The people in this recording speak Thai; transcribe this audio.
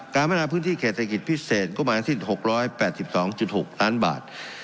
๓การพันธาพื้นที่แข่งเศรษฐกิจพิเศษก็มาที่๖๘๒๖ล้านบาท